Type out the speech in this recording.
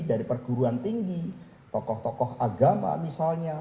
dari perguruan tinggi tokoh tokoh agama misalnya